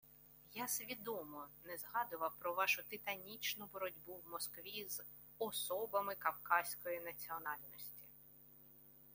Я свідомо не згадував про вашу титанічну боротьбу в Москві з «особами кавказької національності»